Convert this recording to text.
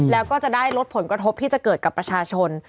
แล้วก็จะได้ลดผลกระทบที่จะเกิดกับประชาชน